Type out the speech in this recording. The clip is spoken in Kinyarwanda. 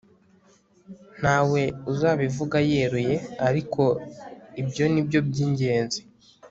ntawe uzabivuga yeruye, ariko ibyo nibyo byingenzi